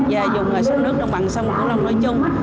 và dùng sông nước đồng bằng sông cần thơ nói chung